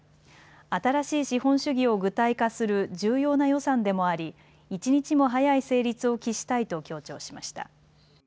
新しい資本主義を具体化する重要な予算でもあり一日も早い成立を期したいと強調しました。